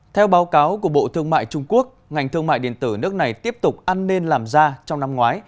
theo báo cáo của bộ thương mại trung quốc ngành thương mại điện tử nước này tiếp tục an ninh làm ra trong năm ngoái